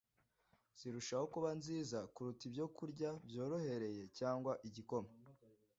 zirushaho kuba nziza kuruta ibyokurya byorohereye cyangwa igikoma.